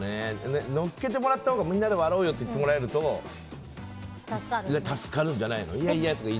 乗っけてもらったほうがみんなで割ろうよと言われたほうが助かるんじゃないの？